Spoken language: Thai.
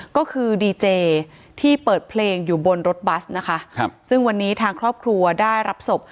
ก็คือดีเจที่เปิดเพลงอยู่บนรถบัสนะคะครับซึ่งวันนี้ทางครอบครัวได้รับศพ